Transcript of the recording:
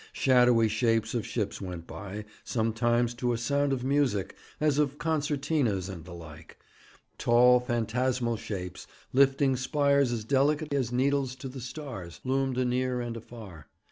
Shadowy shapes of ships went by, sometimes to a sound of music, as of concertinas and the like; tall phantasmal shapes, lifting spires as delicate as needles to the stars, loomed anear and afar.